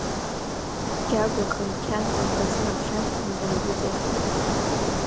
Кьагәа Хылқьан, лкасы наԥхьаршәҭны, дааигәыҵаиҳәҳәеит.